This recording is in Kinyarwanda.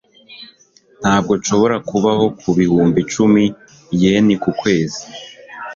ntabwo nshobora kubaho ku bihumbi icumi yen ku kwezi